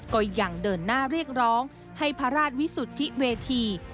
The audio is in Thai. ก็ยังเดินหน้าเรียกร้องให้พระราชวิสุทธิเวที